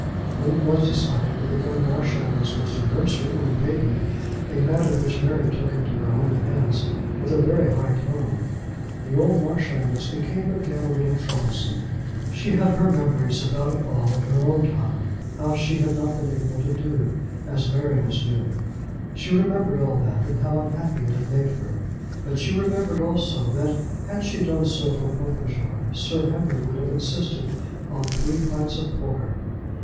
When it was decided that the young Marchioness was to nurse her own baby, a matter which Mary took into her own hands with a very high tone, the old Marchioness became again a little troublesome. She had her memories about it all in her own time; how she had not been able to do as Mary was doing. She remembered all that, and how unhappy it had made her; but she remembered also that, had she done so for Popenjoy, Sir Henry would have insisted on three pints of porter.